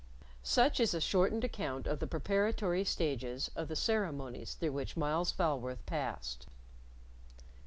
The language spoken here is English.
Such is a shortened account of the preparatory stages of the ceremonies through which Myles Falworth passed.